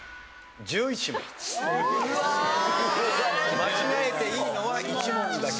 間違えていいのは１問だけ。